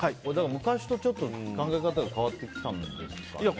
昔とちょっと考え方が変わってきたんですかね。